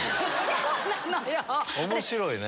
面白いね。